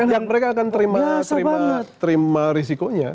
mereka akan terima risikonya